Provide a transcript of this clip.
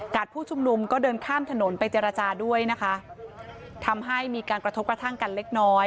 ผู้ชุมนุมก็เดินข้ามถนนไปเจรจาด้วยนะคะทำให้มีการกระทบกระทั่งกันเล็กน้อย